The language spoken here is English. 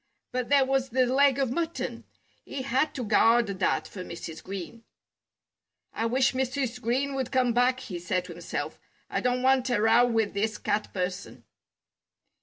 But there was the leg of mutton! He had to guard that for Mrs. Green. "I wish Mrs. Green would come back," he said to himself. "I don't want a row with this Cat person."